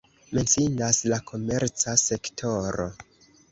Menciindas la komerca sektoro.